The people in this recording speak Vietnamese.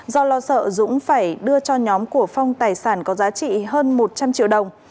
do lo sợ dũng phải đưa cho nhóm của phong tài sản có giá trị hơn một trăm linh triệu đồng